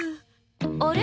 あれ？